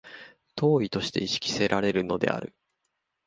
当為として意識せられるのである。